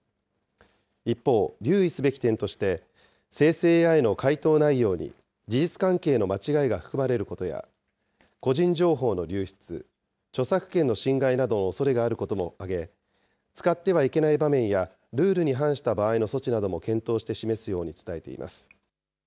一方、留意すべき点として、生成ＡＩの回答内容に事実関係の間違いが含まれることや、個人情報の流出、著作権の侵害などのおそれがあることも挙げ、使ってはいけない場面やルールに反した場合の措置なども検討して示すように伝えています。